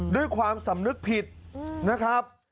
ด้วยความสำนึกผิดนะครับ